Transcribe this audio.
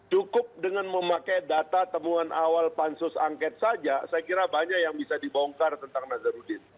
cukup dengan memakai data temuan awal pansus angket saja saya kira banyak yang bisa dibongkar tentang nazarudin